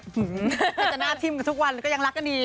จะหน้าทิมทุกวันก็ยังรักกันดี